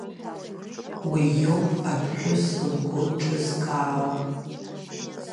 Уи иоуп аԥҳәыс лгәы ҿызкаауа…